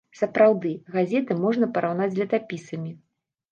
Сапраўды, газеты можна параўнаць з летапісамі.